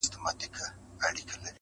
په سپورږمۍ كي زمــــا پــيــــر دى.